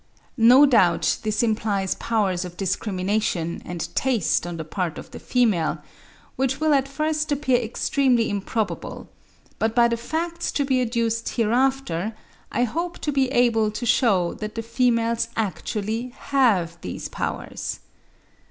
No doubt this implies powers of discrimination and taste on the part of the female which will at first appear extremely improbable; but by the facts to be adduced hereafter, I hope to be able to shew that the females actually have these powers.